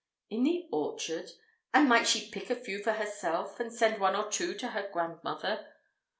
In the orchard? And might she pick a few for herself and send one or two to her grandmother?